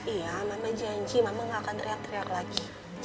iya mama janji mama tidak akan teriak teriak lagi